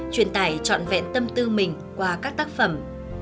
truyền tải trọn vẹn tâm tư mình qua các tác phẩm